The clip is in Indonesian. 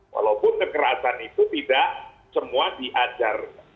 walaupun kekerasan itu tidak semua diajar